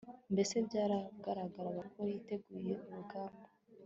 mbese byagaragaraga ko yiteguye urugamba